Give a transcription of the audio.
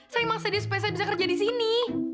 saya emang sedih supaya saya bisa kerja di sini